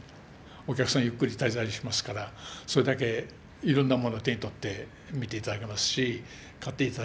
お客さんゆっくり滞在しますからそれだけいろんなもの手に取って見て頂けますし買って頂けますから。